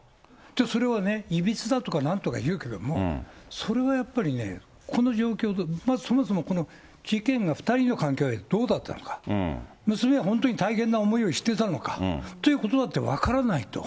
それはね、いびつだとかなんとかいうけども、それはやっぱりね、この状況が、まずそもそも、この事件が、２人の関係がどうだったのか、娘は本当に大変な思いをしていたのかということだって、分からないと。